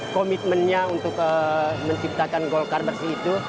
komitmennya untuk menciptakan golkar bersih itu